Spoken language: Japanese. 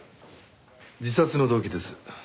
自殺の動機です。